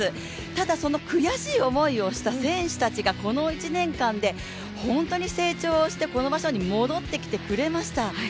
ただ、その悔しい思いをした選手たちがこの１年間で本当に成長して、この場所に戻ってきてくれました。